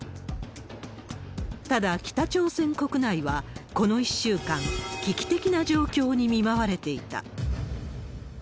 ただ、北朝鮮国内はこの１週間、危機的な状況に見舞われていた。